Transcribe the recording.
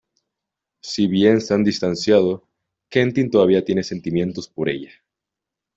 Si bien se han distanciado, Quentin todavía tiene sentimientos por ella.